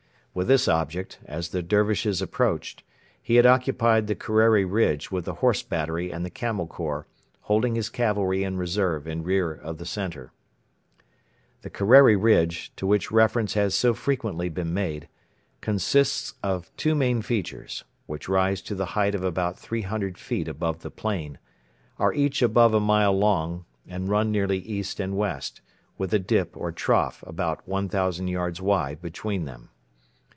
With this object, as the Dervishes approached, he had occupied the Kerreri ridge with the Horse battery and the Camel Corps, holding his cavalry in reserve in rear of the centre. The Kerreri ridge, to which reference has so frequently been made, consists of two main features, which rise to the height of about 300 feet above the plain, are each above a mile long, and run nearly east and west, with a dip or trough about 1,000 yards wide between them.